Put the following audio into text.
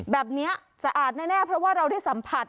แบบนี้สะอาดแน่เพราะว่าเราได้สัมผัส